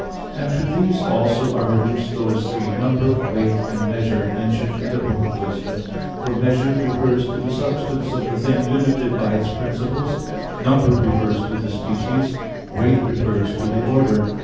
And to these also are reduced those three, "number," "weight," and "measure," mentioned in the Book of Wisdom (9:21). For "measure" refers to the substance of the thing limited by its principles, "number" refers to the species, "weight" refers to the order.